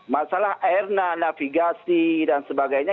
masalah airna navigasi dan sebagainya